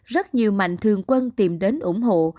rất nhiều mạnh thường quân tìm đến ủng hộ